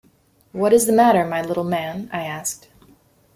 ‘What is the matter, my little man?’ I asked.